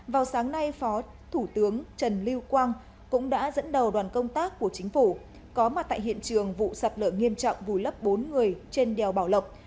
vào sáng nay phó thủ tướng trần lưu quang cũng đã dẫn đầu đoàn công tác của chính phủ có mặt tại hiện trường vụ sạt lở nghiêm trọng vùi lấp bốn người trên đèo bảo lộc